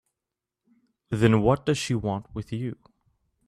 Then what does she want with you?